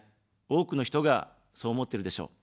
多くの人が、そう思ってるでしょう。